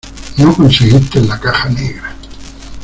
no conseguiste la caja negra.